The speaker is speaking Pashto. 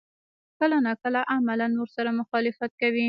کله نا کله عملاً ورسره مخالفت کوي.